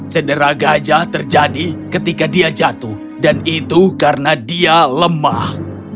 cedera gajah terjadi ketika dia jatuh dan itu karena dia lemah